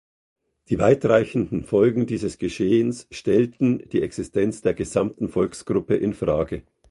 Die weitreichenden Folgen dieses Geschehens stellten die Existenz der gesamten Volksgruppe in Frage.